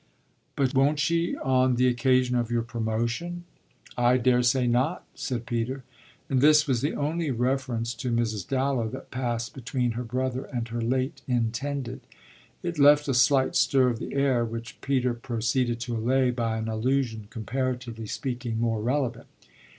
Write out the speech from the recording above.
"But won't she on the occasion of your promotion?" "I daresay not," said Peter; and this was the only reference to Mrs. Dallow that passed between her brother and her late intended. It left a slight stir of the air which Peter proceeded to allay by an allusion comparatively speaking more relevant.